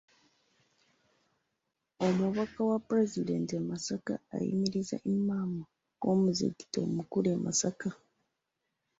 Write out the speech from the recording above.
Omubaka wa Pulezidenti e Masaka ayimirizza Imam w'omuzikiti omukulu e Masaka.